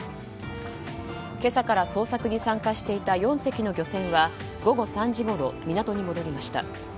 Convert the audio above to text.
今朝から捜索に参加していた４隻の漁船は、午後３時ごろ港に戻りました。